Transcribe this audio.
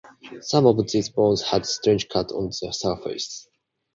Some of those bones had strange cuts on their surfaces.